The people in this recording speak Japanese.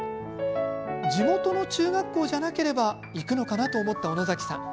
地元の中学校じゃなければ行くのかなと思った小野崎さん。